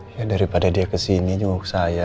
ya daripada dia kesini nyuk saya